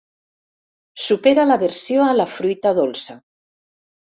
Supera l'aversió a la fruita dolça.